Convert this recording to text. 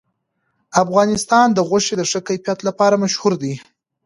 افغانستان د غوښې د ښه کیفیت لپاره مشهور دی.